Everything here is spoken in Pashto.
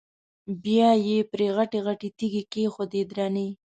بیا یې پرې غټې غټې تیږې کېښودې درنې.